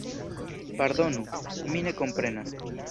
Pardonu, mi ne komprenas.